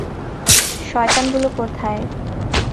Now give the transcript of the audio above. শয়তান গুলো কোথায়?